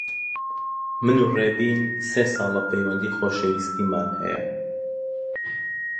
من و ڕێبین سێ ساڵە پەیوەندیی خۆشەویستیمان هەیە.